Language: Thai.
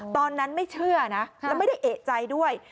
ตอนนั้นไม่เชื่อนะแล้วไม่ได้เอกใจด้วย